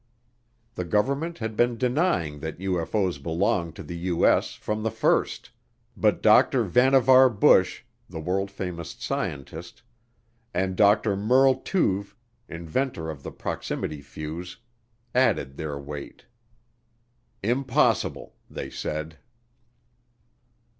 The government had been denying that UFO's belonged to the U.S. from the first, but Dr. Vannevar Bush, the world famous scientist, and Dr. Merle Tuve, inventor of the proximity fuse, added their weight. "Impossible," they said.